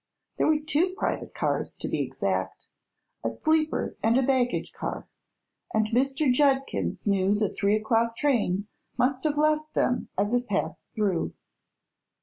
There were two private cars, to be exact a sleeper and a baggage car and Mr. Judkins knew the three o'clock train must have left them as it passed through.